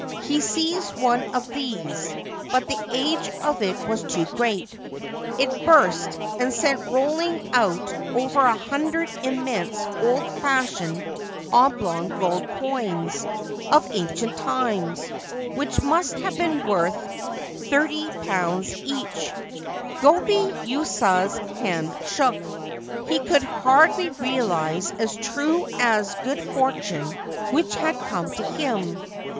He seized one of these ; but the age of it was too great. It burst, and sent rolling out over a hundred immense old fashioned oblong gold coins of ancient times, which must have been worth £30 each. Gobei Yuasa's hand shook. He could hardly realise as true the good fortune which had come to him.